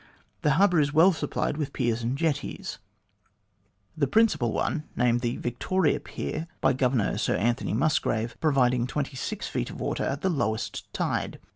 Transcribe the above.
The harbour is well supplied with piers and jetties, the principal one, named THE GLADSTONE OF TO DAY 197 the Victoria Pier by Governor Sir Anthony Musgrave, providing twenty six feet of water at the lowest tide.